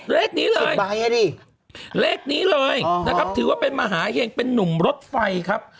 เลขนี้เลยดิเลขนี้เลยนะครับถือว่าเป็นมหาเห็งเป็นนุ่มรถไฟครับ